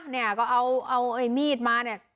เนี่ยก็เอาไอ้มีดมาเนี่ย